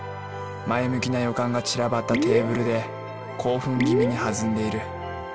前向きな予感が散らばったテーブルで興奮気味に弾んでいる。